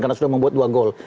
karena sudah membuat dua gol